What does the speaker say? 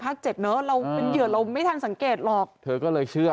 เจ็ดเนอะเราเป็นเหยื่อเราไม่ทันสังเกตหรอกเธอก็เลยเชื่อ